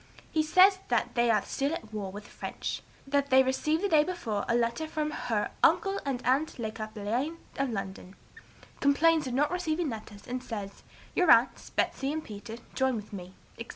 He says that they are still at war with the French; that they received the day before a letter from her 'uncle and aunt Le Cappelain of London;' complains of not receiving letters, and says, 'Your aunts, Betsey and Peter join with me,' etc.